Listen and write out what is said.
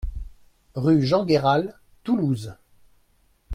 Rue Jean Gayral, Toulouse